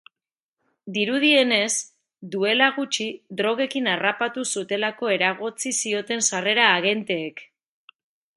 Dirudienez, duela gutxi drogekin harrapatu zutelako eragotzi zioten sarrera agenteek.